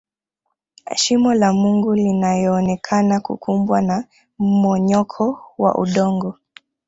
shimo la mungu linayoonekana kukumbwa na mmomonyoko wa udongo